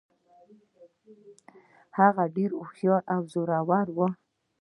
هغه ډیره هوښیاره او زړوره وه.